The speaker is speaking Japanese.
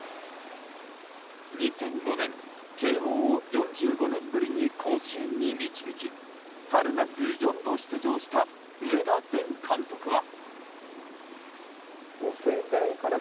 ２００５年、慶應を４５年ぶりに甲子園に導き春夏４度出場した上田前監督は。